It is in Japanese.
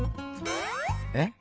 えっ？